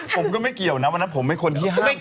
ผมก็ไม่เกี่ยวนะวันนั้นผมเป็นคนที่ห้าม